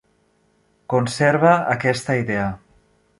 Conserva aquesta idea.